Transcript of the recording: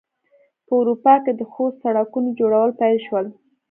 په اروپا کې د ښو سړکونو جوړول پیل شول.